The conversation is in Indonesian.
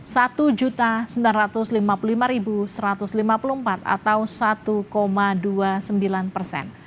pertama p tiga satu ratus lima puluh empat atau satu dua puluh sembilan persen